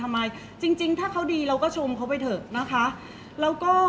เพราะว่าสิ่งเหล่านี้มันเป็นสิ่งที่ไม่มีพยาน